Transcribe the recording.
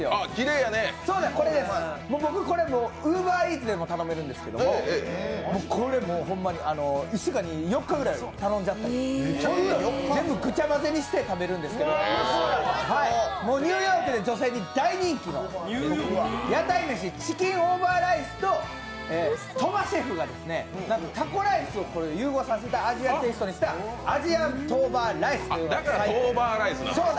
これ、ＵｂｅｒＥａｔｓでも頼めるんですけど、これ、ホンマに１週間に４日ぐらい頼んじゃった、全部ぐちゃ混ぜにして頼むんですけどニューヨークで女性に大人気の屋台飯チキンオーバーライスと鳥羽シェフがタコライスを融合させてアジアンテイストにしたＡｓｉａｎトーバーライスです。